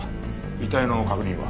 遺体の確認は？